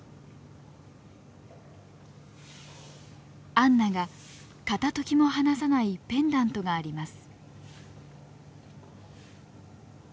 アンナが片ときも離さないペンダントがあります。